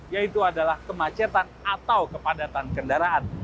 yaitu adalah kemacetan atau kepadatan kendaraan